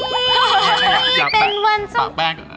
วันนี้เป็นวันสง